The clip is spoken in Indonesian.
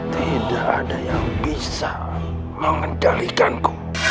tidak ada yang bisa mengendalikanku